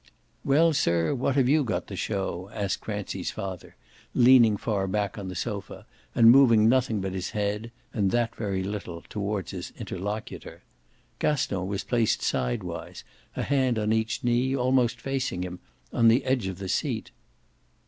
"Well, sir, what have you got to show?" asked Francie's father, leaning far back on the sofa and moving nothing but his head, and that very little, toward his interlocutor. Gaston was placed sidewise, a hand on each knee, almost facing him, on the edge of the seat.